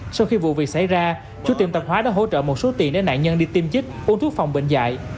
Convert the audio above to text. sau khi vụ việc xảy ra chú tiệm tạp hóa đã hỗ trợ một số tiền để nạn nhân đi tiêm chích uống thuốc phòng bệnh dạy